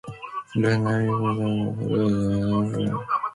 The null hypothesis is that the failures are uniformly distributed.